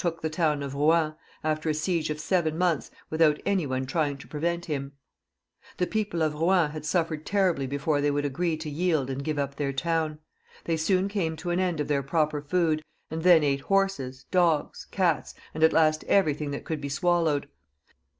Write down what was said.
took the town of Eouen, after a siege of seven months, without any one trying to prevent him. The people of Eouen had suffered terribly before they would agree to yield and give up their town. They soon came to an end of their proper food, and then ate horses, dogs, cats, and at last everything that could be swallowed.